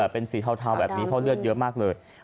เป็นสีเทาแบบนี้เพราะเลือดเยอะมากเลย